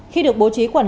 khi được bố trí quản lý